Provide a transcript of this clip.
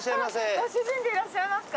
ご主人でいらっしゃいますか？